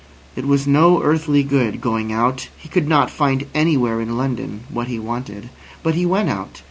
It was no earthly good going out. He could not find anywhere in London what he wanted. But he went out.